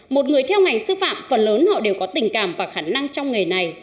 một người theo ngành sư phạm phần lớn họ đều có tình cảm và khả năng trong nghề này